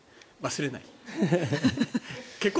忘れない。